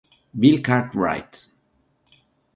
Bill Cartwright